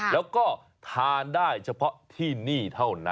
แล้วก็ทานได้เฉพาะที่นี่เท่านั้น